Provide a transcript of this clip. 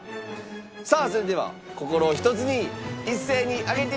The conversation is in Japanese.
さあそれでは心をひとつに一斉に上げて頂きましょう。